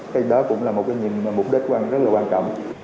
cái đó cũng là một cái mục đích rất là quan trọng